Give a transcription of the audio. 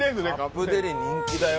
カップデリ人気だよ。